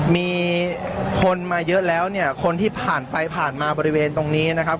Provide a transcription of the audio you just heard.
มีคนมาเยอะแล้วเนี่ยคนที่ผ่านไปผ่านมาบริเวณตรงนี้นะครับ